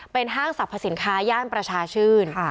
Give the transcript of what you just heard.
เป็นห้างสรรพสินค้าย่านประชาชื่น